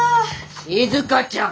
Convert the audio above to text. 静ちゃん！